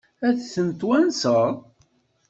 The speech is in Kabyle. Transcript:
Ad ten-twanseḍ?